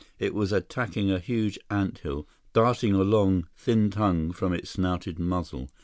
It was attacking a huge anthill, darting a long, thin tongue from its snouted muzzle.